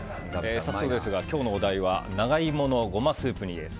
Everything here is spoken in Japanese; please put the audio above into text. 早速ですが今日のお題は長イモのゴマスープ煮です。